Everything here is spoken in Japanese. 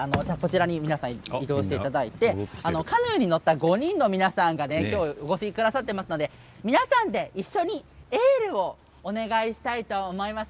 最後に、カヌーに乗った５人の皆さんがきょうお越しくださってますので皆さんで、一緒にエールをお願いしたいと思います。